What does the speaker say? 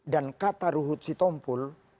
dan kata ruhut sitompul